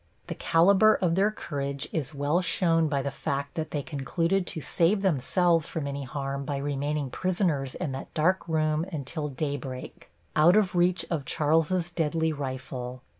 The calibre of their courage is well shown by the fact that they concluded to save themselves from any harm by remaining prisoners in that dark room until daybreak, out of reach of Charles's deadly rifle.